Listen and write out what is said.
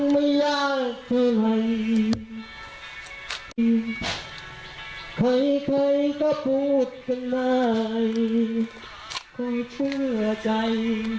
มีใครก็พูดขนาดคงช่วยใจ